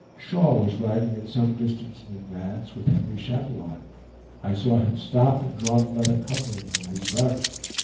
Shaw was riding at some distance in advance, with Henry Chatillon; I saw him stop and draw the leather covering from his gun.